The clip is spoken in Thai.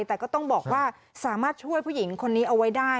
แต่ก็ต้องบอกว่าสามารถช่วยผู้หญิงคนนี้เอาไว้ได้